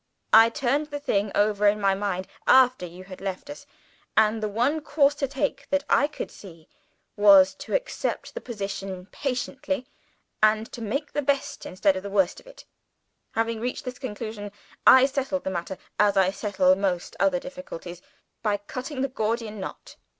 I turned the thing over in my mind, after you had left us; and the one course to take that I could see was to accept the position patiently, and to make the best instead of the worst of it. Having reached this conclusion, I settled the matter (as I settle most other difficulties) by cutting the Gordian knot.